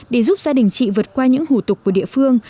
để giúp gia đình chị vượt qua những hủ tục của địa phương